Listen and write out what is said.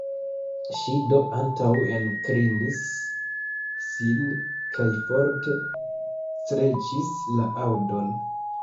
Ŝi do antaŭenklinis sin kaj forte streĉis la aŭdon.